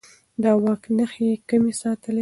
د واک نښې يې کمې ساتلې.